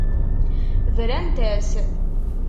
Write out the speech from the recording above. Brant-as.